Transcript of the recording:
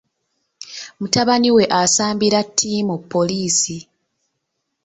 Mutabani we asambira ttimu poliisi.